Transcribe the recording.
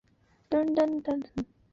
具薪资劳健保